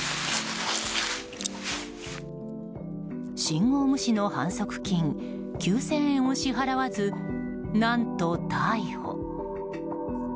信号無視の反則金９０００円を支払わず何と、逮捕。